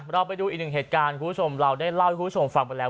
เราไปดูอีกหนึ่งเหตุการณ์คุณผู้ชมเราได้เล่าให้คุณผู้ชมฟังไปแล้ว